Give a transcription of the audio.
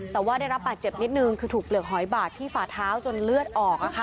แต่ว่าได้รับบาดเจ็บนิดนึงคือถูกเปลือกหอยบาดที่ฝาเท้าจนเลือดออก